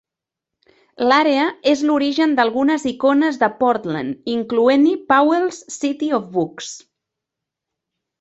L'àrea és l'origen d'algunes icones de Portland, incloent-hi Powell's City of Books.